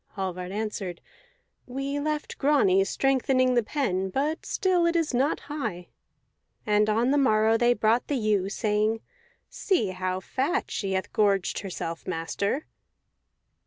Hallvard answered, "We left Grani strengthening the pen, but still it is not high." And on the morrow they brought the ewe, saying, "See how fat she hath gorged herself, master."